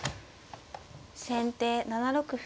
先手７六歩。